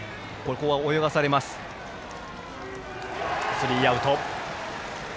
スリーアウト。